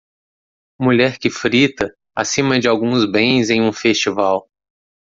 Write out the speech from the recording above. Mulher que frita acima de alguns bens em um festival.